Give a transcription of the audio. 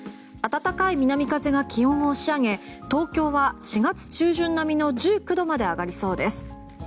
暖かい南風が気温を押し上げ東京は４月中旬並みの１９度まで上がりそうです。